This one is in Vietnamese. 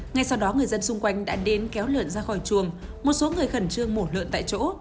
ngay sau đó người dân xung quanh đã đến kéo lợn ra khỏi chuồng một số người khẩn trương mổ lợn tại chỗ